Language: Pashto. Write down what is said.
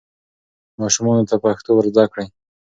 ماشومانو ته پښتو ور زده کړئ.